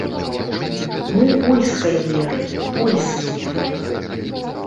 Мы польскай веры, польскія.